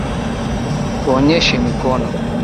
Tunyooshe mikono